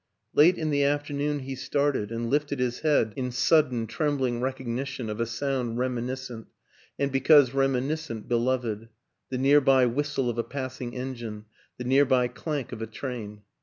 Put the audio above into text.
... Late in the after noon he started and lifted his head in sudden i66 WILLIAM AN ENGLISHMAN trembling recognition of a sound reminiscent, and because reminiscent beloved the near by whis tle of a passing engine, the near by clank of a train.